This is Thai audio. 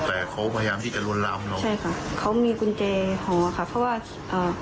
แต่เขาพยายามที่จะลวนลามเราใช่ค่ะเขามีกุญแจห่อค่ะเพราะว่าอ่า